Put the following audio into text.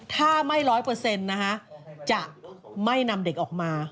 ถ้าไม่๑๐๐นะคะจะไม่นำเด็กออกมา